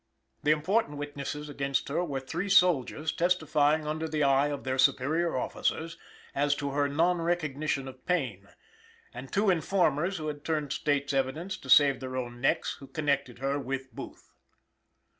The important witnesses against her were three soldiers testifying under the eye of their superior officers as to her non recognition of Payne, and two informers who had turned state's evidence to save their own necks, who connected her with Booth.